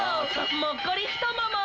もっこり太もも！